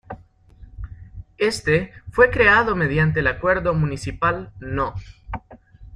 Éste fue creado mediante el Acuerdo Municipal No.